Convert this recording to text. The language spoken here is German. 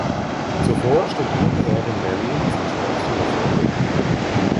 Zuvor studierte er in Berlin das entsprechende Vorbild.